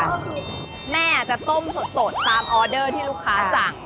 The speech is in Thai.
คือแม่อาจจะต้มสดตามออเดอร์ที่ลูกค้าสั่ง